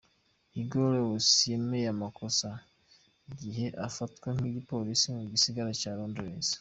Hugo Lloris yemeye amakosa igihe afatwa n'igipolisi mu gisagara ca Londres.